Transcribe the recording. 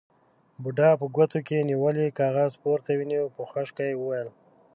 بوډا په ګوتو کې نيولی کاغذ پورته ونيو، په خشکه يې وويل: